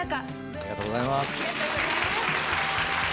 ありがとうございます。